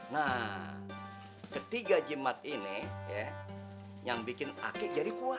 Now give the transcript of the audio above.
nah ketiga jimat ini yang bikin ake jadi kuat